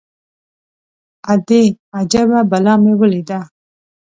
_ادې! اجبه بلا مې وليده.